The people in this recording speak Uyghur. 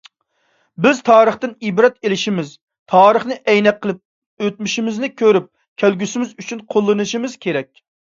بىز تارىختىن ئىبرەت ئېلىشىمىز، تارىخنى ئەينەك قىلىپ ئۆتمۈشىمىزنى كۆرۈپ، كەلگۈسىمىز ئۈچۈن قوللىنىشىمىز كېرەك.